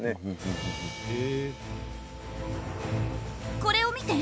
これを見て！